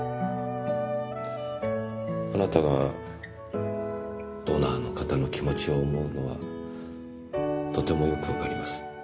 あなたがドナーの方の気持ちを思うのはとても良くわかります。